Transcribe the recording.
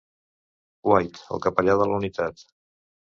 White, el capellà de la unitat.